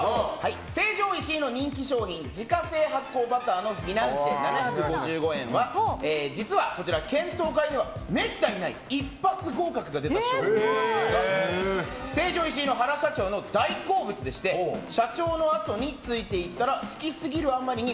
成城石井の人気商品自家製発酵バターのフィナンシェ７５５円は、実は検討会ではめったにない一発合格が出た商品なんですが成城石井の原社長の大好物でして社長のあとについていったら好きすぎるあまりに